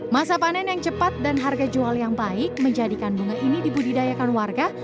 masa panen yang cepat dan harga jual yang baik menjadikan bunga ini dibudidayakan warga